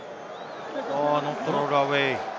ノットロールアウェイ。